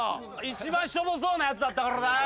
一番ショボそうなやつだったからだよ。